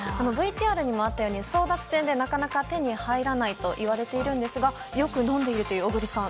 ＶＴＲにもあったように争奪戦でなかなか手に入らないといわれているんですがよく飲んでいるという小栗さん